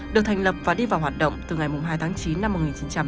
được thành lập và đi vào hoạt động từ ngày hai tháng chín năm một nghìn chín trăm bảy mươi